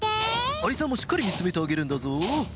アリさんをしっかりみつめてあげるんだぞ。